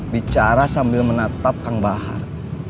bicara sambil menatap kang bahar